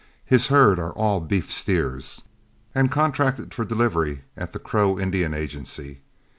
His herd are all beef steers, and are contracted for delivery at the Crow Indian Agency.